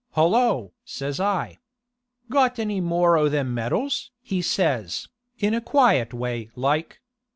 "Hollo!" says I. "Got any more o' them medals?" he says, in a quiet way like.